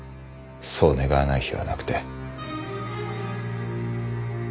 そう願わない日はなくて。